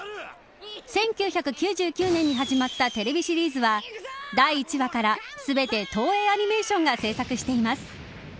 １９９９年に始まったテレビシリーズは第１話から全て東映アニメーションが制作しています。